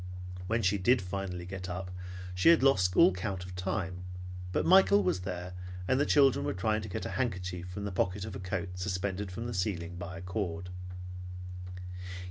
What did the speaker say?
When she did finally get up, she had lost all count of the time, but Michael was there, and the children were trying to get a handkerchief from the pocket of a coat suspended from the ceiling by a cord.